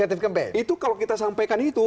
itu kalau kita sampaikan itu